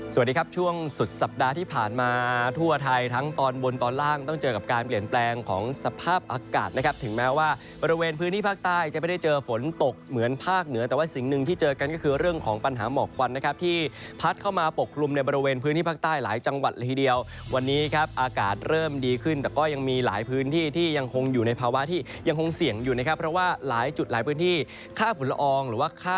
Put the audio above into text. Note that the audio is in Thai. สวัสดีครับช่วงสุดสัปดาห์ที่ผ่านมาทั่วไทยทั้งตอนบนตอนล่างต้องเจอกับการเปลี่ยนแปลงของสภาพอากาศนะครับถึงแม้ว่าบริเวณพื้นที่ภาคใต้จะไม่ได้เจอฝนตกเหมือนภาคเหนือแต่ว่าสิ่งหนึ่งที่เจอกันก็คือเรื่องของปัญหาหมอกควันนะครับที่พัดเข้ามาปกลุ่มในบริเวณพื้นที่ภาคใต้หลายจังห